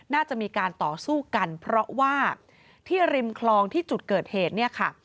น่าจะมีการต่อสู้กันเพราะว่าที่ริมคลองที่จุดเกิดเหตุเนี่ยค่ะ